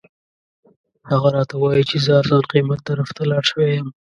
هغه راته وایي چې زه ارزان قیمت طرف ته لاړ شوی یم.